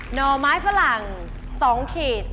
ห่อไม้ฝรั่ง๒ขีด